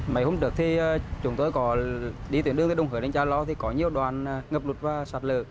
mấy hôm trước thì chúng tôi có đi tuyến đường từ đồng hới đến cha lo thì có nhiều đoàn ngập lụt và sạt lở